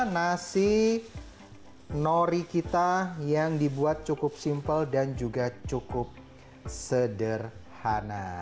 nasi nori kita yang dibuat cukup simpel dan juga cukup sederhana